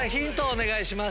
お願いします。